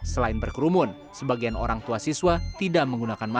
selain berkerumun sebagian orang tua juga tidak bisa menunggu anaknya